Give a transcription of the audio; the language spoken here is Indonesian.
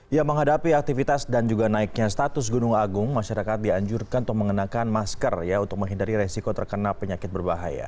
ya menghadapi aktivitas dan juga naiknya status gunung agung masyarakat dianjurkan untuk mengenakan masker ya untuk menghindari resiko terkena penyakit berbahaya